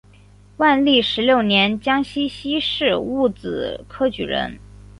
万历十六年江西乡试戊子科举人。